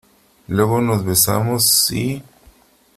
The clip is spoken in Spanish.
luego nos besamos y ...